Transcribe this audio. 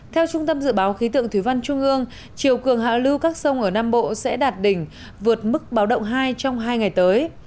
theo trung tâm dự báo khí tượng thủy văn trung ương chiều cường hạ lưu các sông ở nam bộ sẽ đạt đỉnh vượt mức báo động hai trong hai ngày tới